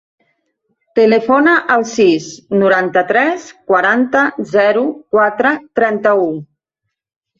Telefona al sis, noranta-tres, quaranta, zero, quatre, trenta-u.